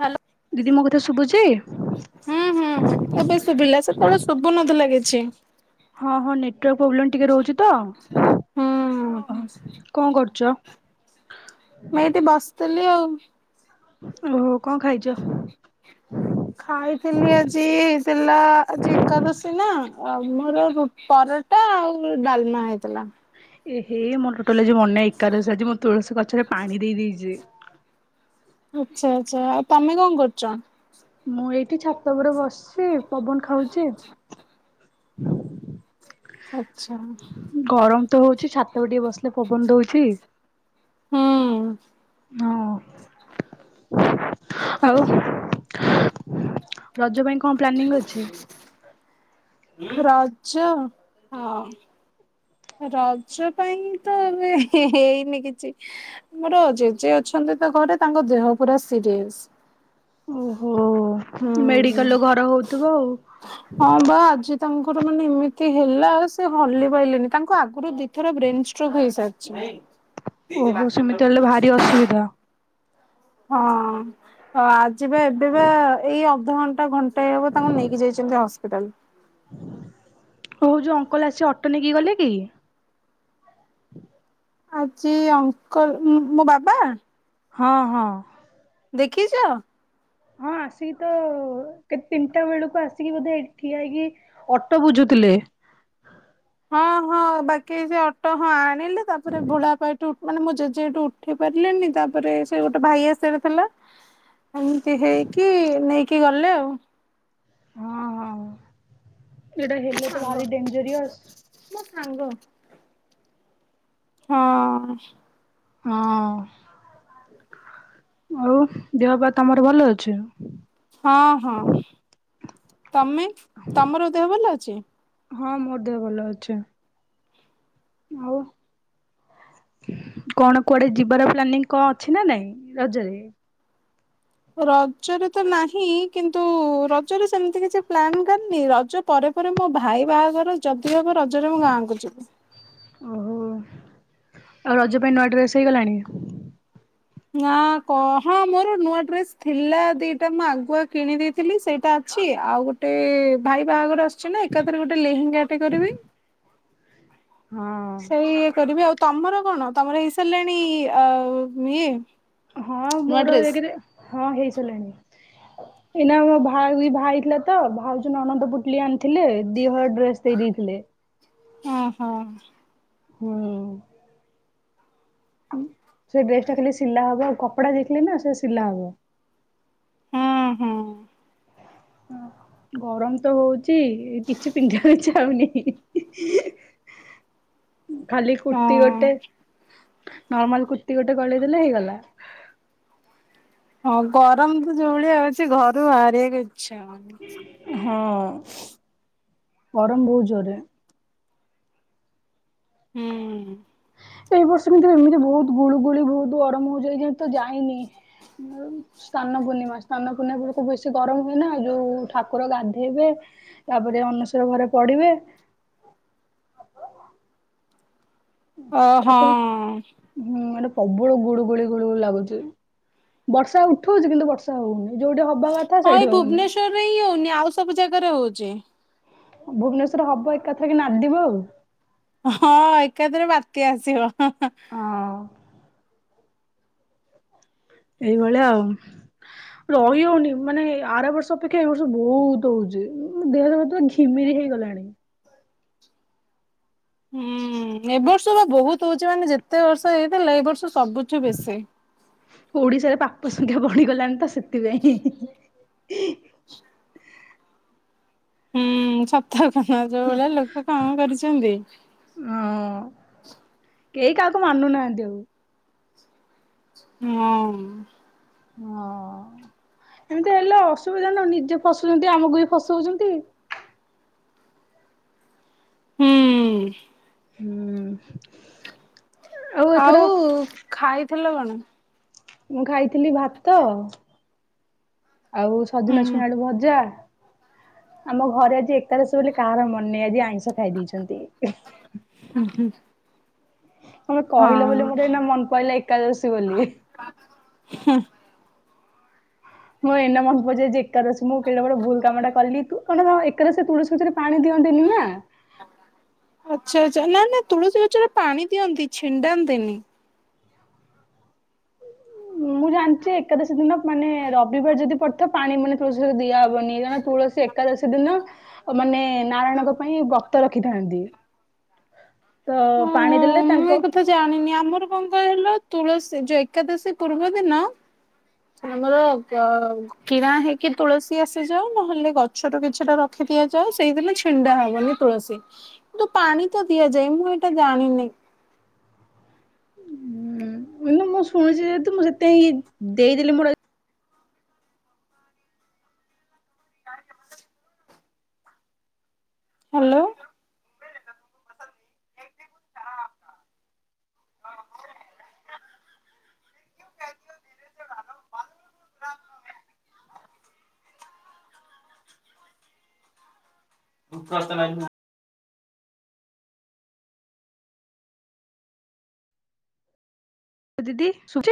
Hello. ଦିଦି ମୋ କଥା ଶୁଭୁଚି? ହୁଁ ହୁଁ ହୁଁ ଏବେ ଶୁଭିଲା। ସେତେବେଳେ ଶୁଭୁ ନଥିଲା କିଛି। ହଁ ହଁ ନେଟୱାର୍କ ପ୍ରୋବ୍ଲେମ ଟିକେ ରହୁଛି ତ। ହୁଁ କଣ କରୁଚ? ମୁଁ ଏଇଠି ବସିଥିଲି ଆଉ। ଓହୋ କଣ ଖାଇଚ? ଖାଇଥିଲି ଆଜି ହେଇଥିଲା ଆଜି ଏକାଦଶୀ ନା ଆମର ପର ଭାତ ଆଉ ଡାଲମା ହେଇଥିଲା। ଏ ହେ ମୋର ଟୋଟାଲି ଆଜି ମନେ ନାହିଁ ଏକାଦଶୀ ଆଜି ମୁଁ ତୁଳସୀ ଗଛରେ ପାଣି ଦେଇ ଦେଇଚି। ଆଚ୍ଛା ଆଚ୍ଛା। ଆଉ ତମେ କଣ କରୁଚ? ମୁଁ ଏଇଠି ଛାତ ଉପରେ ବସିଚି ପବନ ଖାଉଚି। ଆଛା। ଗରମ ତ ହଉଛି ଛାତ ଉପରେ ଟିକେ ବସିଲେ ପବନ ଦଉଚି। ହୁଁ। ହଁ। ଆଉ ରଜ ପାଇଁ କ ରଜ ରଜ ପାଇଁ ତ ଏବେ ହେ ହେଇନି କିଛି। ମୋର ଜେଜେ ଅଛନ୍ତି ତ ଘରେ ତାଙ୍କ ଦେହ ପୁରା ସିରିଏସ। ଓହୋ ହୁଁ। ମେଡିକାଲରୁ ଘର ହଉଥିବ ଆଉ। ହଁ ବା ଆଜି ତାଙ୍କର ମାନେ ଏମିତି ହେଲା ସେ ହଲି ପାଇଲେନି। ତାଙ୍କୁ ଆଗରୁ ଦିଥର ବ୍ରେନ ଷ୍ଟ୍ରକ୍ ହେଇସାରିଚି। ଓହୋ ସେମିତି ହେଲେ ଭାରି ଅସୁବିଧା। ହଁ। ଆଜି ବା ଏବେ ବା ଏଇ ଅଧଘଣ୍ଟା ଘ ଣ୍ଟେ ହବ ତାଙ୍କୁ ନେଇକି ଯାଇଛନ୍ତି ହସ୍ପିଟାଲ। ହଉ ଯୋଉ ଅଙ୍କଲ ଆସି ଅଟୋ ନେଇକି ଗଲେ କି। ହ [inaudible] ଆଜି ଅଙ୍କଲ ମୋ ବାବା ହଁ ହଁ। ଦେଖିଚ? ହଁ ଆସିକି ତ କେତେ ତିନିଟା ବେଳକୁ ଆସିକି ବୋଧେ ଏଠି ଠିଆ ହେଇକି ଅଟୋ ବୁଝୁଥିଲେ। ହଁ ହଁ ବାକି ସେ ଅଟୋ ହଁ ଆଣିଲେ ତାପରେ ବୁଢାପା ମାନେ ଜେଜେ ଏଠୁ ଉଠି ପାରିଲେନି ତାପରେ ସେ ଗୋଟେ ଭାଇ ଆସିଆର ଥିଲା ଏମିତି ହେଇକି ନେଇକି ଗଲେ ଆଉ। ଏଟା ମୋ ହେଲେ ତ ସାଙ୍ଗ ଭାରି ଡେଞ୍ଜରିୟସ। ମୋ ସାଙ୍ଗ। ହଁ। ହଁ। ଆଉ ଦେହ ପା ତମର ଭଲ ଅଛି? ହଁ ହଁ। ତମେ ତମର ଦେହ ଭଲ ଅଛି? ହଁ ମୋର ଦେହ ଭଲ ଅଛି। ଆଉ କଣ କୁଆଡେ ଯିବାର ପ୍ଲାନିଂ କଣ ଅଛି ନା ନାଇଁ ରଜରେ? ରଜରେ ତ ନାହିଁ। କିନ୍ତୁ ରଜରେ ସେମିତି କିଛି ପ୍ଲାନ୍ କରିନି ରଜ ପରେ ପରେ ମୋ ଭାଇ ବାହାଘର ଯଦି ହେବ ରଜରେ ମୁଁ ଗାଁକୁ ଯିବି। ଓହୋ ଆଉ ରଜ ପାଇଁ ନୂଆ ଡ୍ରେସ୍ ହେଇଗଲାଣି। ନା କ ହଁ ମୋର ନୂଆ ଡ୍ରେସ ଥିଲା ଦିଟା ମୁଁ ଆଗୁଆ କିଣିଦେ ଥିଲି ସେଇଟା ଅଛି। ଆଉ ଗୋଟେ ଭାଇ ବାହାଘର ଆସୁଛି ନା ଏକାଥରେ ଗୋଟେ ଲେହେଙ୍ଗାଟେ କରିବି। ହଁ ସେଇ ଇ କରିବି ଆଉ ତମର କଣ ତମର ହେଇ ସାରିଲାଣି ଆଉ ଇଏ ହଁ ନୂଆ ମୋର ଡ୍ରେସ୍? ଏକରେ ହଁ ହେଇ ସାରିଲାଣି। ଏଇନା ଭାଇ ଥିଲା ତ ଭାଉଜ ନଣଦ ପୁଟଲି ଆଣିଥିଲେ ଦି ହଳର ଡ୍ରେସ ସେଇ ଦେଇଥିଲେ। ହଁ ହଁ। ହୁଁ। ସେ ଡ୍ରେସ ଟା ଖାଲି ସିଲା ହବ ଆଉ କପଡା ଦେଇଥିଲେ ନା ସେ ସିଲା ହବ। ହୁଁ ହୁଁ। ଗରମ ତ ହଉଚି କିଛି ପିନ୍ଧା ବା ଈଛାଉନି। [inaudible] ଖାଲି କୁର୍ତ୍ତିୀ ଗୋଟେ ହଁ। ନର୍ମାଲ କୁର୍ତିୀ ଗୋଟେ ଗଳେଇ ଦେଲେ ହେଇଗଲା। ହଁ ଗରମ ତ ଯୋଉ ଭଳିଆ ଅଉ ଅଛି ଘରୁ ବାହାରିବାକୁ ଇଚ୍ଛା ହଉନି। ହଁ ଗରମ ବହୁତ ଜୋରେ। ହୁଁ। ଏଇ ବର୍ଷ ଭିତରେ ଏମିତି ବହୁତ ଗୁଳୁ ଗୁଳି ବହୁତ ଗରମ ହଉଯାଇ ଯେ ତ ଯାଇନି। ସ୍ନାନ ପୂର୍ଣ୍ଣିମା ସ୍ନାନ ପୂର୍ଣ୍ଣିମା ବେଳକୁ ବେଶୀ ଗରମ ହୁଏ ନା ଆଉ ଯୋଉ ଠାକୁର ଗାଧେଇବେ। ତାପରେ ଅନେଶର ଘରେ ପଢିବେ। ଓ ଠାକୁର ହଁ। ହୁଁ ମାନେ ପ୍ରବଳ ଗୁଡୁ ଗୁଳି ଗୁଳୁ ଗୁଳି ଲାଗୁଛି ବର୍ଷା ଉଠଉଛି କିନ୍ତୁ ବର୍ଷା ହଉନି ଯୋଉଠି ହବା କଥା ହଁ ଏଇ ସେଇଠି ହଉନି। ଭୁବନେଶ୍ଵରରେ ହିଁ ହଉନି ଆଉ ସବୁ ଜାଗାରେ ହଉଛି। ଭୁବନେଶ୍ଵର ହବ ଏକାଥରକେ ନାଦିବ ଆଉ। ହଁ ଏକାଥରେ ବାତ୍ୟା ଆସିବ। ହଁ ଏଇଭଳିଆ ଆଉ। ରହି ହଉନି ମାନେ ଆର ବର୍ଷ ଅପେକ୍ଷା ଏ ବର୍ଷ ବହୁତ ହଉଛି ଦେହ କିିମିରି ହେଇଗଲାଣି। ହୁଁ ଏ ବର୍ଷ ବା ବହୁତ ହଉଛି ମାନେ ଯେତେ ବର୍ଷ ହେଇଥିଲା ଏ ବର୍ଷ ସବୁଛୁ ବେଶୀ। ଓଡିଶାରେ ପାପ ସଂଖ୍ୟା ବଢିଗଲାଣି ତ ସେଥିପାଇଁ। ହୁଁ ସତ କଥା ଯୋଉ ଭଳେଆ ଲୋକ କାମ କରିଛନ୍ତି। ହଁ କେହି କାହାକୁ ମାନୁନାହାନ୍ତି ଆଉ। ହଁ। ହଁ ଏମିତି ହେଲେ ଅସୁବିଧା ନ ନିଜେ ଫସୁଛନ୍ତି ଆମକୁ ବି ଫସଉଛନ୍ତି। ହୁଁ। ହୁଁ। ଆଉ ଖାଇଥିଲ କଣ? ମୁଁ ଖାଇଥିଲି ଭାତ ଆଉ ହୁଁ ସଜନାଛୁଇଁ ଆଳୁଭଜା। ଆମ ଘରେ ଆଜି ଏକାଦଶ ବୋଲି କାହାର ମନେ ଆଜି ଆଇଁଷ ଖାଇ ଦେଇେଇଛନ୍ତି। ଊ ହୁଁ। ତମେ କହିଲ ବୋଲି ମୋ ଏଇନା ମନ ପଇଲା ଏକାଦଶୀ ବୋଲି। ହୁଁ। ମୁଁ ଏଇନା ମନ ପେ ଯେ ଏକାଦଶୀ ମୁଁ କେଡେବଡ ଭୁଲ କାମ ଟା କଲି ତୁ କଣ ଏକାଦଶୀ ତୁଳସୀ ଗଛ ରେ ପାଣି ଦିଅନ୍ତିନି ନା। ଆଚ୍ଛା ଆଚ୍ଛା ନା ନା ତୁଳସୀ ଗଛରେ ପାଣି ଦିଅନ୍ତି ଛିଣ୍ଡାନ୍ତିନି। ମୁଁ ଜାଣିଛି ଏକାଦଶୀ ଦିନ ମାନେ ରବିବାର ଯଦି ପଡ଼ିଥାବ ପାଣି ମାନେ ଦିଆବ। ବନି ତୁଳସୀ ଏକାଦଶୀ ଦିନ ମାନେ ନାରାୟଣଙ୍କ ପାଇଁ ଗତ ରଖିଥାନ୍ତି। ତ ପାଣି ଦେଲେ ତାଙ୍କ ତ ଜାଣିନି ଆମର କଣ କହିଲ। ତୁଳସୀ ଯ ଏକାଦଶୀ ପୂର୍ବ ଦିନ। ଆମର ଗ କିଣା ହେଇକି ତୁଳସୀ ଆସିଯାଉ। ନହେଲେ ଗଛରୁ କିଛିଟା ରଖି ଦିଆଯାଉ। ସେଇଦିନ ଛିଣ୍ଡା ହବନି। ତୁଳସୀ କିନ୍ତୁ ପାଣି ତ ଦିଆଯାଏ। ମୁଁ ଏଇଟା ଜାଣିନି। ଉଁ ମୁଁ ଶୁଣିଛି ଯେହେତୁ ମୁଁ ସେତାଇିଁ ଦେଇଦେଲି ମୂଳ ହ୍ୟାଲୋ [unintelligible] ଦିଦୀ ସୁବୁଚ